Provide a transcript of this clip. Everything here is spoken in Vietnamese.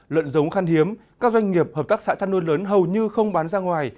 lợn giống khăn hiếm các doanh nghiệp hợp tác xã chăn nuôi lớn hầu như không bán ra ngoài